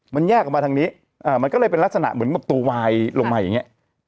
มันแยกออกมาทางนี้มันก็เลยเป็นลักษณะเหมือนแบบตัววายลงมาอย่างนี้